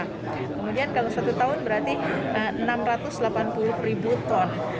kemudian kalau satu tahun berarti enam ratus delapan puluh ribu ton